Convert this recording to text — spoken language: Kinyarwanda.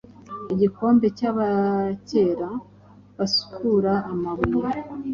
Igikombe cyabakera basukura amabuye